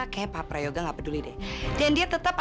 kamu memang luar biasa